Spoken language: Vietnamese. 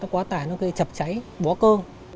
nó có thể chập cháy bó cơ